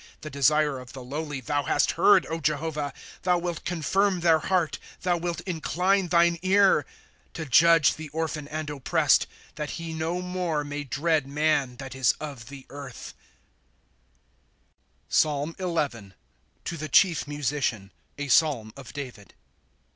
1^ The desire of tho lowly thou hast heard, Jehovah ; Thou wilt confirm their heart, thou wilt incline thine ear, 1® To judge the orphan and oppressed, That he no more may dread man that is of the eartli. PSALM XI. To the chief Musician. [A Psalm] of David.